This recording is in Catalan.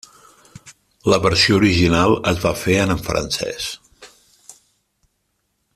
La versió original es va fer en francès.